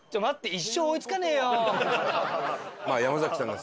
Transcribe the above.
一生追い付かねえよ。